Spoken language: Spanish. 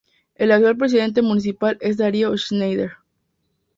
El actual presidente municipal es Darío Schneider.